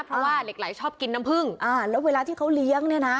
เพราะว่าเหล็กไหลชอบกินน้ำผึ้งอ่าแล้วเวลาที่เขาเลี้ยงเนี่ยนะ